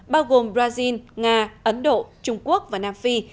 bao gồm brazil nga ấn độ trung quốc và nam phi